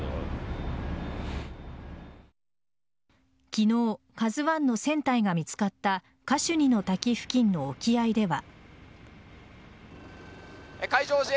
昨日「ＫＡＺＵ１」の船体が見つかったカシュニの滝付近の沖合では。